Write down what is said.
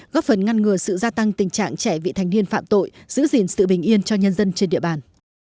góp phần ngăn ngừa sự gia tăng tình trạng trẻ vị thành niên phạm tội giữ gìn sự bình yên cho nhân dân trên địa bàn